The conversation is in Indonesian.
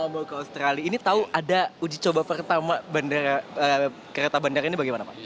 mau ke australia ini tahu ada uji coba pertama kereta bandara ini bagaimana pak